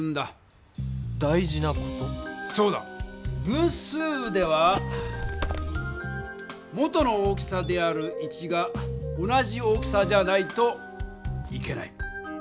分数では元の大きさである１が同じ大きさじゃないといけない。